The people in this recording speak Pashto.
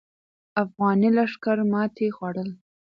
افغاني لښکر ماتې خوړله.